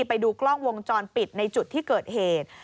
ไปดูกล้องวงจรปิดในจุดที่เกิดเหตุ